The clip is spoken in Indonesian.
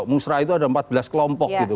musrah itu ada empat belas kelompok gitu